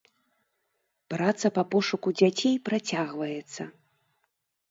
Праца па пошуку дзяцей працягваецца.